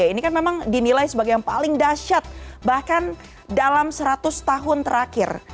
ini kan memang dinilai sebagai yang paling dahsyat bahkan dalam seratus tahun terakhir